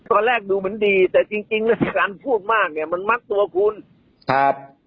ตอนแรกดูเหมือนดีแต่จริงจริงแล้วการพูดมากเนี่ยมันมัดตัวคุณครับ